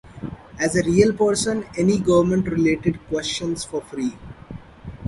Ask a real person any government-related question for free.